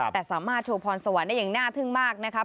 แต่สามารถโชว์พรสวรรค์ได้อย่างน่าทึ่งมากนะครับ